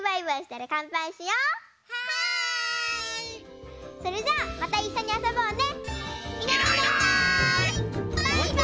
はい！